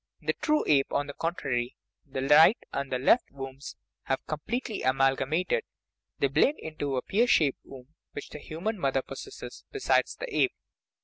In the true ape, on the contrary, the right and left wombs have completely amalgamated ; they blend into a pear shaped womb, which the human mother possesses be sides the ape.